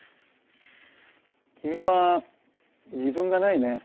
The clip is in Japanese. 君は自分がないね。